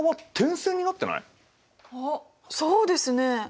あっそうですね。